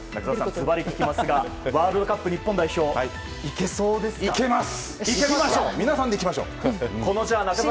ずばり聞きますがワールドカップ、日本代表はいけます！